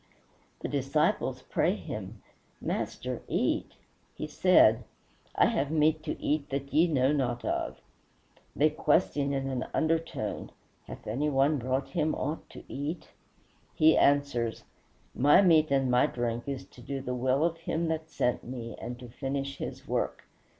The disciples pray him, "Master, eat." He said, "I have meat to eat that ye know not of." They question in an undertone, "Hath any one brought him aught to eat?" He answers, "My meat and my drink is to do the will of Him that sent me, and to finish his work."